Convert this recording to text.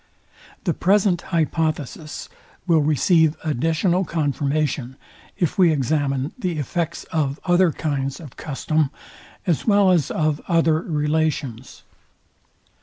The present hypothesis will receive additional confirmation, if we examine the effects of other kinds of custom, as well as of other relations.